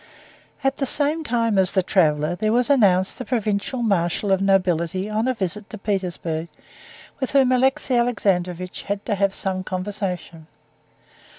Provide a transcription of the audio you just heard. At the same time as the traveler there was announced a provincial marshal of nobility on a visit to Petersburg, with whom Alexey Alexandrovitch had to have some conversation.